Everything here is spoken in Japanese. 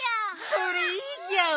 それいいギャオ！